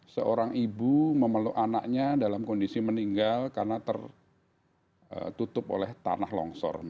seorang ibu memeluk anaknya dalam kondisi meninggal karena tertutup oleh tanah longsor